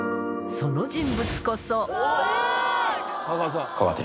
その人物こそ。